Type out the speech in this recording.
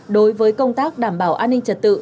đối với công tác đảm bảo an ninh trật tự